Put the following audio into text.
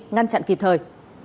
ngăn chặn kịp thời